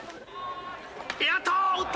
［やった！